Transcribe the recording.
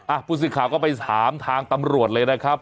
อ่ะภูมิสิทธิ์ข่าวก็ไปถามทางตำรวจเลยนะครับ